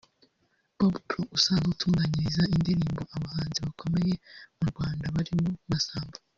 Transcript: Bob Pro usanzwe utunganyiriza indirimbo abahanzi bakomeye mu Rwanda barimo Masamba